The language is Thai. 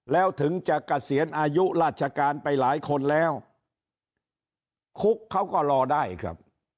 แล้วถึงจะเกษียณอายุราชการไปหลายคนแล้วคุกเขาก็รอได้ครับ